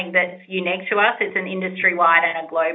ini adalah hal yang terkenal di seluruh industri dan global